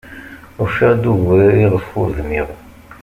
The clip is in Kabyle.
Ufiɣ-d ugur iɣef ur dmiɣ.